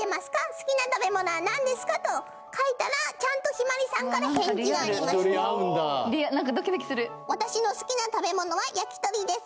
「好きな食べ物は何ですか？」と書いたらちゃんとヒマリさんから返事がありまして焼き鳥合うんだ何かドキドキする「私の好きな食べ物は焼き鳥です」